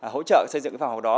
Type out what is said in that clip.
hỗ trợ xây dựng phòng học đó